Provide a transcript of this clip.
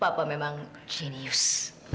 papa memang jenius